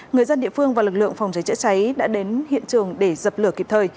người dân địa phương và lực lượng phòng cháy chữa cháy đã đến hiện trường để dập lửa kịp thời